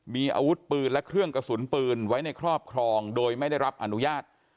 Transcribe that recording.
มีอาวุธปืนและเครื่องกระสุนปืนไว้ในครอบครองโดยไม่ได้รับอนุญาต